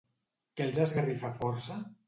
Què els esgarrifa força?